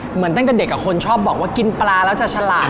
เหมือนตั้งแต่เด็กกับคนชอบบอกว่ากินปลาแล้วจะฉลาด